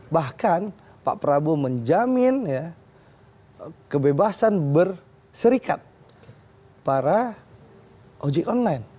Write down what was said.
bahkan pak prabowo menjamin kebebasan berserikat para ojek online